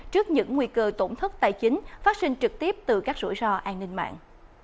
trước những nguy cơ tổn thất tài chính phát sinh trực tiếp từ các rủi ro an ninh mạng